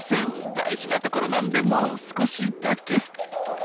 大事なところなんでもう少しだけ。